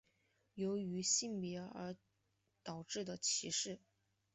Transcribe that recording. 由于性别而导致的歧视。